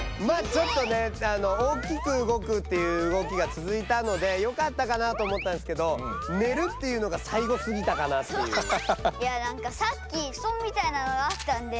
まあちょっとね大きく動くっていう動きがつづいたのでよかったかなと思ったんですけど寝るっていうのがさいごすぎたかなっていう。